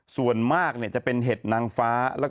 ส่วนมากจะเป็นเห็ดนางฟ้า